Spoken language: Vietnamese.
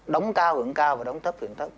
đóng cao hưởng cao và đóng thấp hưởng thấp